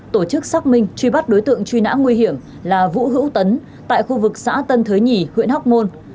tổ chức xác minh truy bắt đối tượng truy nã nguy hiểm là vũ hữu tấn tại khu vực xã tân thới nhì huyện hóc môn